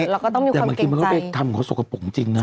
เราก็ต้องมีความเกร็งใจแต่มันก็ใช่ทำเขาสุขป๋องจริงนะคะ